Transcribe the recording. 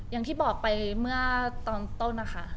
อย่างที่บอกไปเมื่อตอนต้นนะคะ